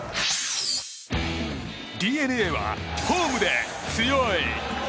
ＤｅＮＡはホームで強い！